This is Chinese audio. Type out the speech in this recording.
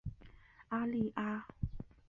阿利阿。